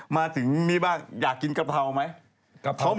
มาถึงนี่บ้างอยากกินกะเพราไหม